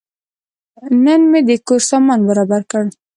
نن مې د کور سامان برابر کړ.